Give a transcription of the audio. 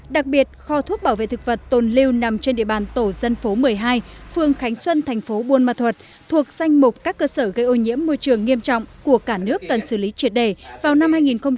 đặc biệt kho thuốc bảo vệ thực vật tồn lưu nằm trên địa bàn tổ dân phố một mươi hai phương khánh xuân tp buôn ma thuật thuộc danh mục các cơ sở gây ô nhiễm môi trường nghiêm trọng của cả nước cần xử lý triệt đề vào năm hai nghìn ba hai nghìn bốn